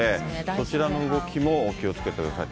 そちらの動きもお気をつけください。